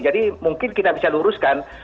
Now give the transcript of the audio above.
jadi mungkin kita bisa luruskan